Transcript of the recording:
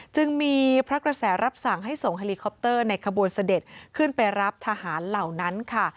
จึงมีพระกระแสรับสั่งให้ส่งเฮลิคอปเตอร์ในขบวนเสด็จขึ้นไปรับทหารเหล่านั้นค่ะ